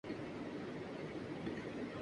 عادت اس کی بھی آدمی سی ہے